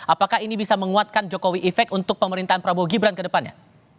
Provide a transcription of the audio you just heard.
apakah ini bisa menguatkan jokowi efek untuk pemerintahan prabowo gibran ke depannya